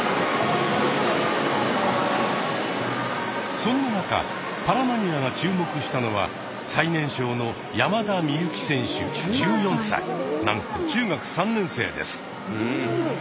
そんな中「パラマニア」が注目したのは最年少のなんと中学３年生です。